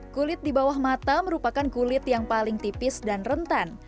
kulit di bawah mata merupakan kulit yang paling tipis dan rentan